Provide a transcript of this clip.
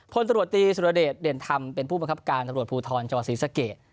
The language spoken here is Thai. พลตรวจตีสุรเดชเด่นธรรมเป็นผู้บังคับการตำรวจภูทรจังหวัดศรีสะเกด